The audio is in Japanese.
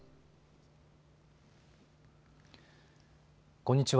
こんにちは。